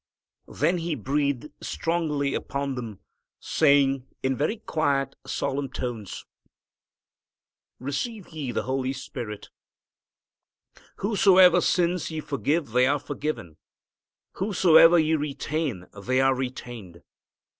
Then He breathed strongly upon them, saying in very quiet, solemn tones, "Receive ye the Holy Spirit Whosesoever sins ye forgive they are forgiven. Whosesoever ye retain they are retained."